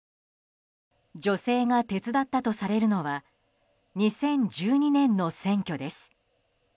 女性が手伝ったとされるのは２０１２年の選挙です。